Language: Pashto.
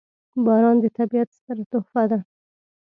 • باران د طبیعت ستره تحفه ده.